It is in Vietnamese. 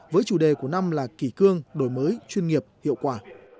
với chủ đề của năm là kỷ cương đổi mới chuyên nghiệp hiệu quả